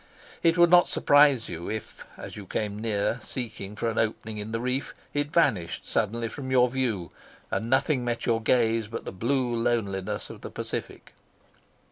It would not surprise you if, as you came near seeking for an opening in the reef, it vanished suddenly from your view, and nothing met your gaze but the blue loneliness of the Pacific.